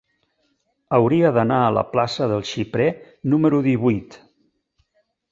Hauria d'anar a la plaça del Xiprer número divuit.